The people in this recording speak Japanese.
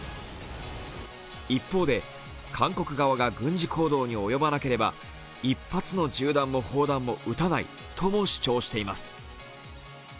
一方で、韓国側が軍事行動に及ばなければ１発の銃弾も砲弾も撃たないとも主張しています。